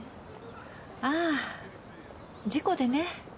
あぁ事故でね。